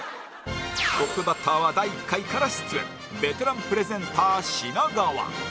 トップバッターは第１回から出演ベテランプレゼンター品川